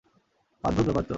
অদ্ভুত ব্যাপার তো।